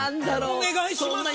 お願いします